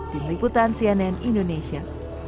diriputan cnn indonesia